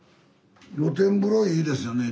露天風呂いいですよね。